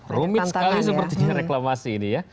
rumit sekali seperti reklamasi ini ya